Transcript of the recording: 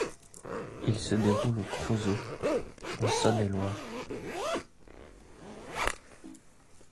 Il se déroule au Creusot en Saône-et-Loire.